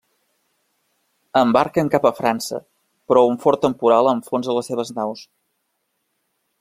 Embarquen cap a França, però un fort temporal enfonsa les seves naus.